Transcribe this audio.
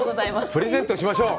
プレゼントしましょう！